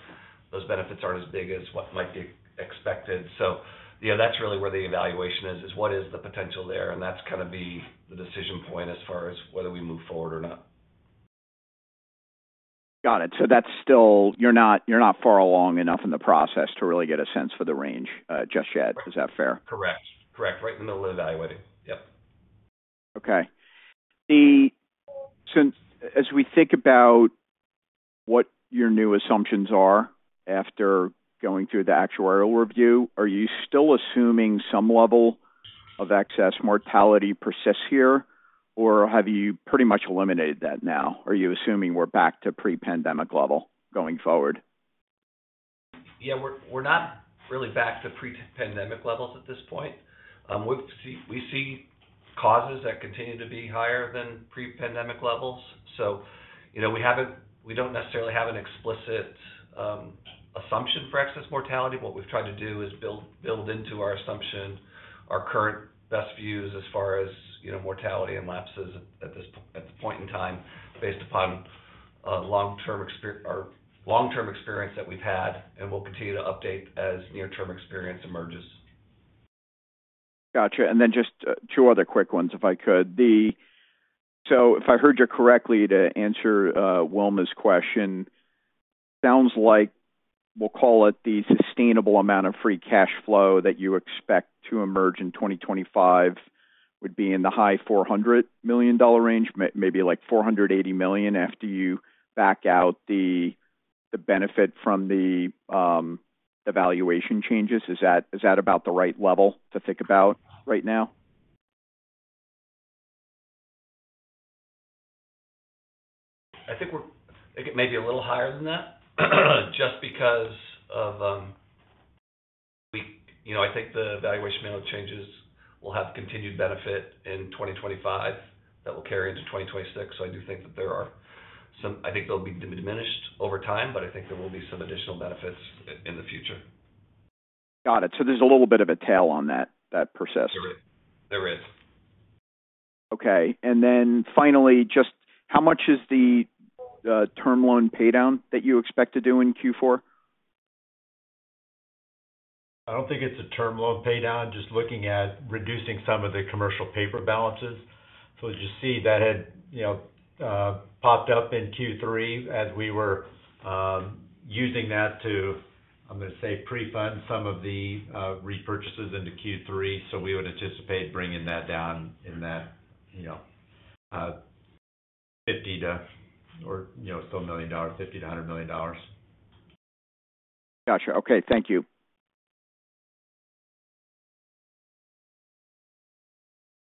those benefits aren't as big as what might be expected. So, you know, that's really where the evaluation is, is what is the potential there? And that's kind of the decision point as far as whether we move forward or not. Got it. So that's still... You're not far along enough in the process to really get a sense for the range, just yet. Is that fair? Correct. Correct. Right in the middle of evaluating. Yep. Okay. As we think about what your new assumptions are after going through the actuarial review, are you still assuming some level of excess mortality persists here, or have you pretty much eliminated that now? Are you assuming we're back to pre-pandemic level going forward? Yeah, we're not really back to pre-pandemic levels at this point. We've see-- we see causes that continue to be higher than pre-pandemic levels. So, you know, we don't necessarily have an explicit assumption for excess mortality. What we've tried to do is build into our assumption, our current best views as far as, you know, mortality and lapses at this point in time, based upon long-term experience that we've had, and we'll continue to update as near-term experience emerges. Got you. And then just two other quick ones, if I could. So if I heard you correctly, to answer Wilma's question, sounds like we'll call it the sustainable amount of free cash flow that you expect to emerge in 2025, would be in the high $400 million range, maybe like $480 million, after you back out the benefit from the valuation changes. Is that about the right level to think about right now? I think it may be a little higher than that, just because of. You know, I think the valuation model changes will have continued benefit in twenty twenty-five, that will carry into twenty twenty-six. So I do think that there are some. I think they'll be diminished over time, but I think there will be some additional benefits in the future. Got it. So there's a little bit of a tail on that, that process. There is. There is. Okay. And then finally, just how much is the term loan paydown that you expect to do in Q4? I don't think it's a term loan paydown, just looking at reducing some of the commercial paper balances. So as you see, that had, you know, popped up in Q3 as we were using that to, I'm gonna say, pre-fund some of the repurchases into Q3. So we would anticipate bringing that down in that, you know, $50-$100 million. Got you. Okay, thank you.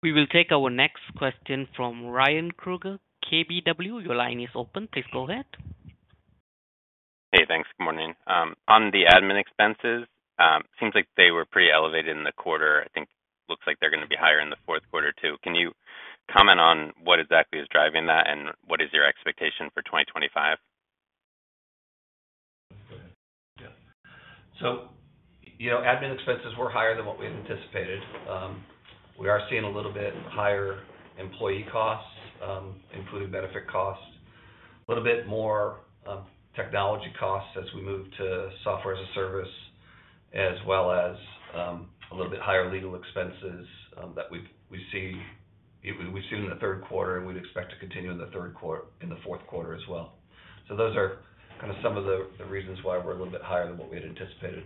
We will take our next question from Ryan Krueger, KBW. Your line is open. Please go ahead.... Hey, thanks. Good morning. On the admin expenses, seems like they were pretty elevated in the quarter. I think looks like they're gonna be higher in the fourth quarter, too. Can you comment on what exactly is driving that, and what is your expectation for 2025? Yeah. So, you know, admin expenses were higher than what we had anticipated. We are seeing a little bit higher employee costs, including benefit costs. A little bit more technology costs as we move to software as a service, as well as a little bit higher legal expenses that we've seen in the third quarter, and we'd expect to continue in the fourth quarter as well. So those are kind of some of the reasons why we're a little bit higher than what we had anticipated.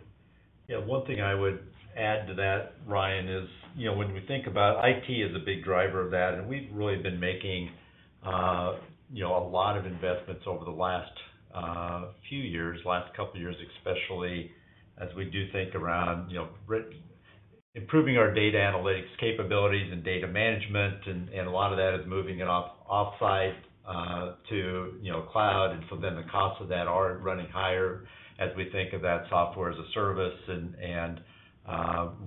Yeah. One thing I would add to that, Ryan, is, you know, when we think about IT is a big driver of that, and we've really been making, you know, a lot of investments over the last few years, last couple of years, especially as we do think around, you know, improving our data analytics capabilities and data management, and a lot of that is moving it off-site to, you know, cloud. And so then the costs of that are running higher as we think of that software as a service and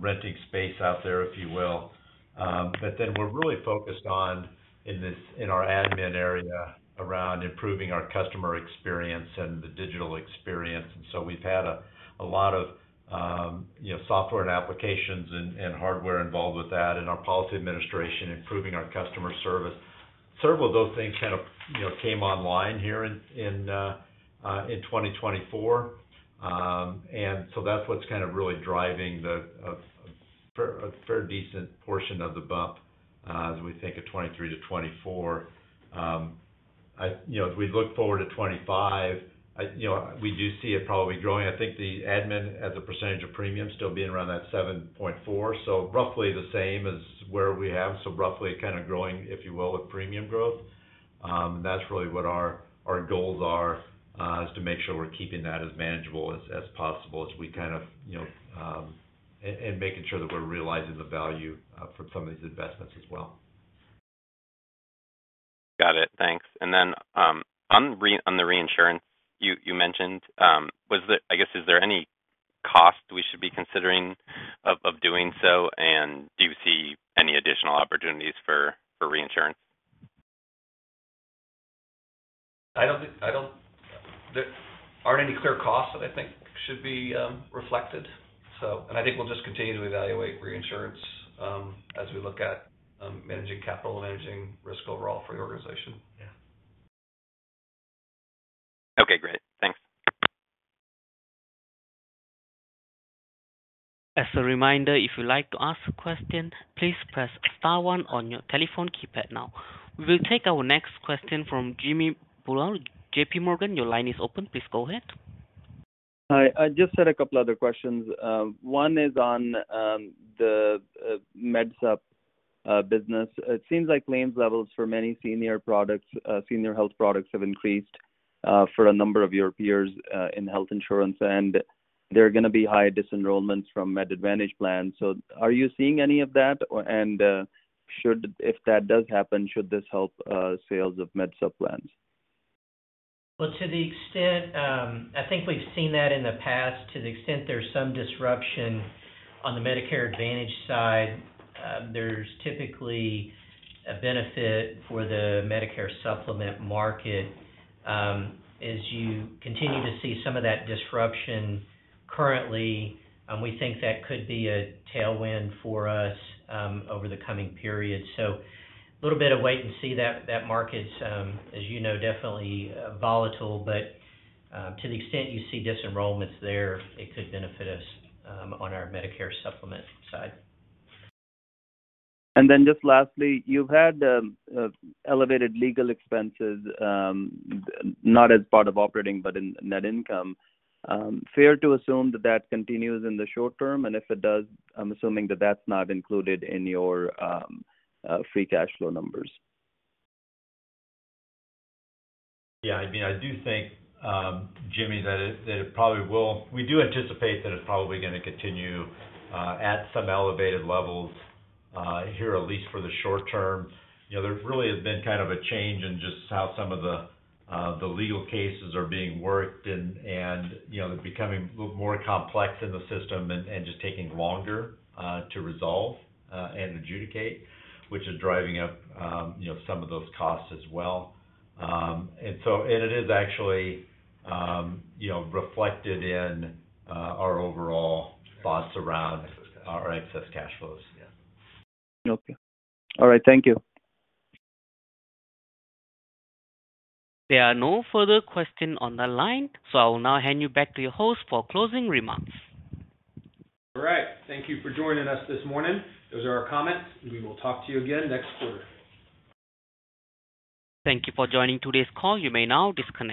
renting space out there, if you will. But then we're really focused on in our admin area around improving our customer experience and the digital experience. And so we've had a lot of you know software and applications and hardware involved with that, and our policy administration, improving our customer service. Several of those things kind of you know came online here in 2024. And so that's what's kind of really driving a fairly decent portion of the bump as we think of 2023 to 2024. You know, as we look forward to 2025, I you know we do see it probably growing. I think the admin, as a percentage of premium, still being around that 7.4%, so roughly the same as where we have. Roughly kind of growing, if you will, with premium growth. That's really what our goals are to make sure we're keeping that as manageable as possible as we kind of, you know, and making sure that we're realizing the value from some of these investments as well. Got it. Thanks. And then, on the reinsurance you mentioned, I guess, is there any cost we should be considering of doing so, and do you see any additional opportunities for reinsurance? I don't think there aren't any clear costs that I think should be reflected, so. And I think we'll just continue to evaluate reinsurance as we look at managing capital and managing risk overall for the organization. Yeah. Okay, great. Thanks. As a reminder, if you'd like to ask a question, please press star one on your telephone keypad now. We will take our next question from Jimmy Bhullar, JPMorgan. Your line is open. Please go ahead. Hi. I just had a couple other questions. One is on the Med Supp business. It seems like claims levels for many senior products, senior health products, have increased for a number of your peers in health insurance, and there are gonna be high disenrollments from Med Advantage plans. So are you seeing any of that? Or, and, should, if that does happen, should this help sales of Med Supp plans? To the extent, I think we've seen that in the past, to the extent there's some disruption on the Medicare Advantage side, there's typically a benefit for the Medicare Supplement market. As you continue to see some of that disruption currently, we think that could be a tailwind for us, over the coming period. So a little bit of wait and see. That market's, as you know, definitely volatile, but, to the extent you see disenrollments there, it could benefit us, on our Medicare Supplement side. And then just lastly, you've had elevated legal expenses, not as part of operating but in net income. Fair to assume that continues in the short term, and if it does, I'm assuming that that's not included in your free cash flow numbers? Yeah, I mean, I do think, Jimmy, that it probably will. We do anticipate that it's probably gonna continue at some elevated levels here, at least for the short term. You know, there really has been kind of a change in just how some of the legal cases are being worked and you know, becoming a little more complex in the system and just taking longer to resolve and adjudicate, which is driving up you know, some of those costs as well. And so. And it is actually you know, reflected in our overall thoughts around our excess cash flows. Yeah. Okay. All right. Thank you. There are no further questions on the line, so I will now hand you back to your host for closing remarks. All right. Thank you for joining us this morning. Those are our comments, and we will talk to you again next quarter. Thank you for joining today's call. You may now disconnect.